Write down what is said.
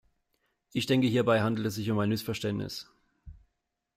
Ich denke, hierbei handelt es sich um ein Missverständnis.